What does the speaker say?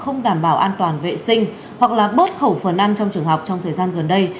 không đảm bảo an toàn vệ sinh hoặc là bớt khẩu phần ăn trong trường học trong thời gian gần đây